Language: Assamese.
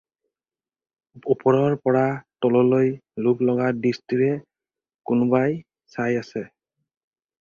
ওপৰৰ পৰা তললৈ লোভ লগা দৃষ্টিৰে কোনোবাই চাই আছে।